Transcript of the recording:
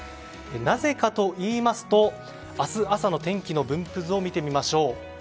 なぜかといいますと明日朝の天気の分布図を見てみましょう。